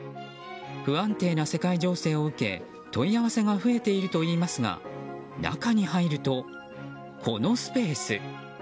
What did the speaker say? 不安定な世界情勢を受け問い合わせが増えているといいますが中に入ると、このスペース。